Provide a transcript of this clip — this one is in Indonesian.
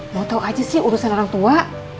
gak tau aja sih urusan orang tua